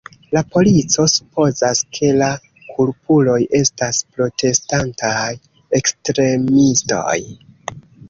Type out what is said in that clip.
La polico supozas, ke la kulpuloj estas protestantaj ekstremistoj.